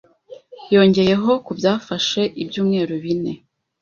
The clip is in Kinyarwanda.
Yongeyeho ko byafashe ibyumweru bine